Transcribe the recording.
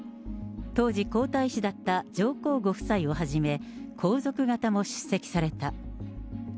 当時、皇太子だった上皇ご夫妻をはじめ、皇族方も出席された。